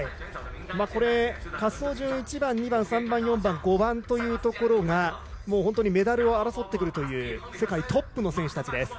滑走順１番、２番、３番、４番、５番がもうメダルを争ってくるという世界トップの選手たち。